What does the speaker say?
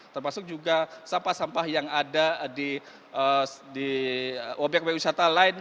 termasuk juga sampah sampah yang ada di obyek obyek wisata lain